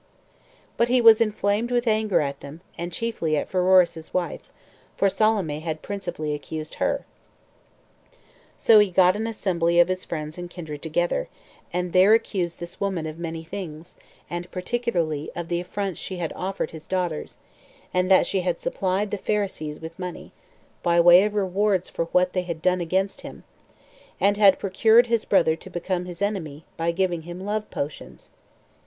2. But he was inflamed with anger at them, and chiefly at Pheroras's wife; for Salome had principally accused her. So he got an assembly of his friends and kindred together, and there accused this woman of many things, and particularly of the affronts she had offered his daughters; and that she had supplied the Pharisees with money, by way of rewards for what they had done against him, and had procured his brother to become his enemy, by giving him love potions.